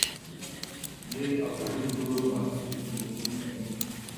ye avuza induru ati Ubugome Ubugome